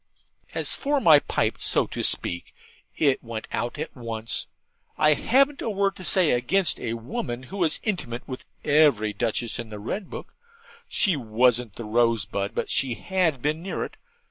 As for my pipe, so to speak, it went out at once. I hadn't a word to say against a woman who was intimate with every Duchess in the Red Book. She wasn't the rosebud, but she had been near it.